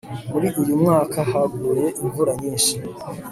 muri uyu mwaka haguye imvura nyinshi